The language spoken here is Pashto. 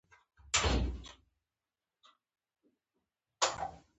ان درې څلور ميليونه.